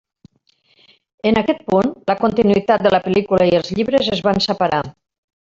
En aquest punt la continuïtat de la pel·lícula i els llibres es van separar.